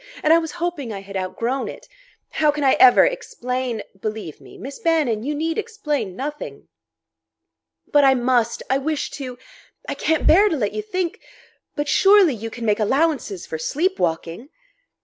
And I was hoping I had outgrown it! How can I ever explain ?" "Believe me, Miss Bannon, you need explain nothing." "But I must...I wish to...I can't bear to let you think...But surely you can make allowances for sleepwalking!"